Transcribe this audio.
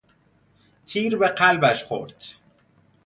تیر به قلبش خورد.